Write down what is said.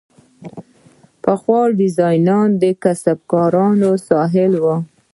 پخوا ډیزاین د کسبکارانو ساحه وه.